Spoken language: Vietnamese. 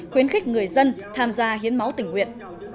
khuyến khích người dân tham gia hiến máu tỉnh nguyện